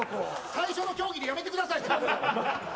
最初の競技でやめてください。